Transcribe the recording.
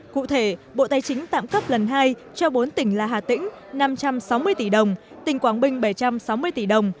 cụ thể bộ tài chính tạm cấp lần hai cho bốn tỉnh là hà tĩnh năm trăm sáu mươi tỷ đồng tỉnh quảng bình bảy trăm sáu mươi tỷ đồng